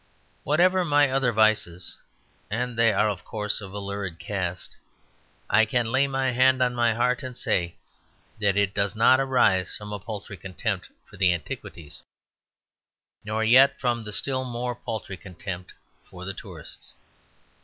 Whatever my other vices (and they are, of course, of a lurid cast), I can lay my hand on my heart and say that it does not arise from a paltry contempt for the antiquities, nor yet from the still more paltry contempt for the tourists.